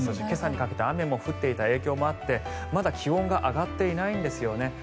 今朝にかけて雨も降っていた影響もあってまだ気温が上がっていないんですよね。